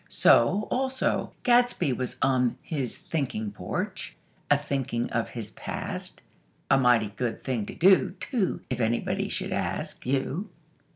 So, also, Gadsby was on his thinking porch, a thinking of his past. (A mighty good thing to do, too; if anybody should ask you!)